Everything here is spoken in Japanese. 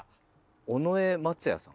尾上松也さん